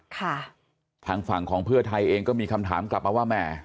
ทางฝั่งของเพื่อไทยเองก็มีคำถามกลับมาว่าแหม